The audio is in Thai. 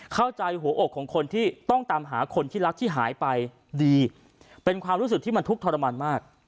เข้าใจหัวอกของคนที่ต้องตามหาคนที่รักที่หายไปดีเป็นความรู้สึกที่มันทุกข์ทรมานมาก